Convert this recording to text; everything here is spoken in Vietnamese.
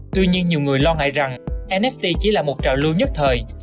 tuy nhiên nhiều người lo ngại rằng nett chỉ là một trào lưu nhất thời